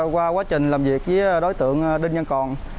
qua quá trình làm việc với đối tượng đinh văn còn